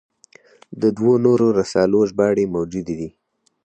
د دوو نورو رسالو ژباړې موجودې دي.